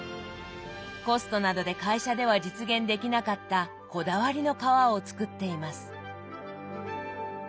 コストなどで会社では実現できなかったこだわりの皮を作っています。